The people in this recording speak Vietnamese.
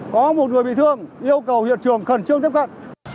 có một người bị thương yêu cầu hiện trường khẩn trương tiếp cận